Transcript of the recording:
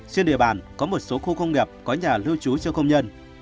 trên địa bàn có một số khu công nghiệp có nhà lưu trú cho công nhân